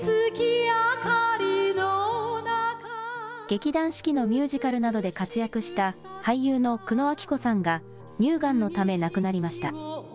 劇団四季のミュージカルなどで活躍した俳優の久野綾希子さんが乳がんのため亡くなりました。